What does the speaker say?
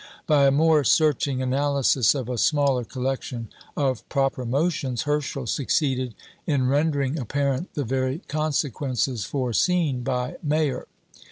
By a more searching analysis of a smaller collection of proper motions, Herschel succeeded in rendering apparent the very consequences foreseen by Mayer.